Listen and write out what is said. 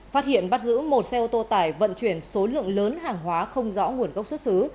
phát hiện bắt giữ một xe ô tô tải vận chuyển số lượng lớn hàng hóa không rõ nguồn gốc xuất xứ